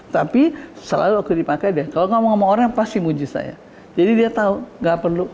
tapi selalu oke dipakai deh kalau ngomong ngomong orang pasti muji saya jadi dia tahu nggak perlu